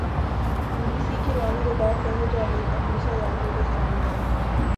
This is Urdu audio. بی بی سی کی نامہ نگار فرحت جاوید اور موسی یاوری کو اسلام آباد